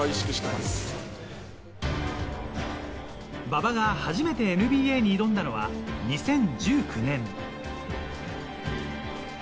馬場が初めてＮＢＡに挑んだのは２０１９年。